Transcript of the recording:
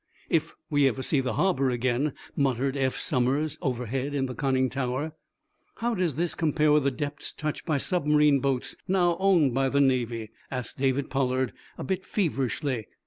"If we ever see the harbor again," muttered Eph Somers, overhead in the conning tower. "How does this compare with the depths touched by submarine boats now owned by the Navy?" asked David Pollard, a bit feverishly.